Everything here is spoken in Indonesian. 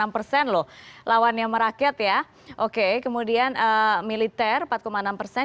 enam persen loh lawannya merakyat ya oke kemudian militer empat enam persen